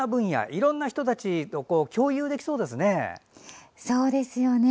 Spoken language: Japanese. いろんな人たちと共有できそうですね。